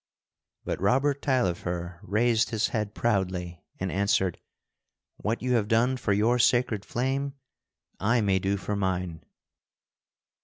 But Robert Taillefer raised his head proudly and answered: "What you have done for your sacred flame I may do for mine."